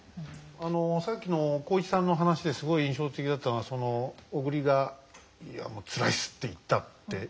あのさっきの浩市さんの話ですごい印象的だったのは小栗が「つらいっす」って言ったって。